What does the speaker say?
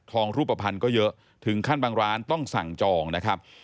รูปภัณฑ์ก็เยอะถึงขั้นบางร้านต้องสั่งจองนะครับ